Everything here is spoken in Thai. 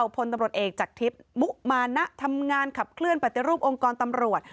พลตำรวจเอกจากทิพย์มุมานะทำงานขับเคลื่อนปฏิรูปองค์กรตำรวจ